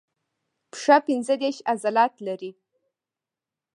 پښه پنځه دیرش عضلات لري.